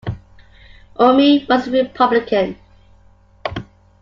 Orme was a republican.